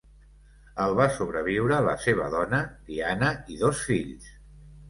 El va sobreviure la seva dona, Diana, i dos fills.